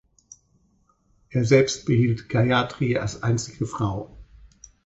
Er selbst behielt Gayatri als einzige Frau.